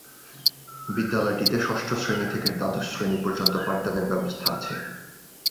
বিদ্যালয়টিতে ষষ্ঠ শ্রেণী থেকে দ্বাদশ শ্রেণী পর্যন্ত পাঠদানের ব্যবস্থা আছে।